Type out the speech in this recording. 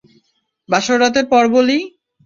বাসর রাতের পর বলি?